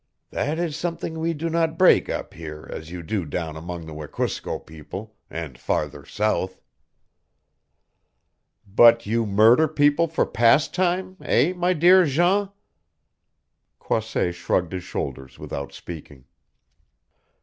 That is something we do not break up here as you do down among the Wekusko people, and farther south." "But you murder people for pastime eh, my dear Jean?" Croisset shrugged his shoulders without speaking.